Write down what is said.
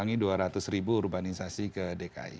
dan mengurangi dua ratus ribu urbanisasi ke dki